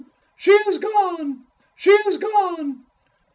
she is gone, she is gone!"